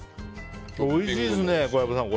おいしいですね、小籔さん。